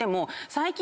最近。